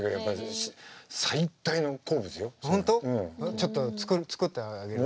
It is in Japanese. ちょっと作ってあげるわ。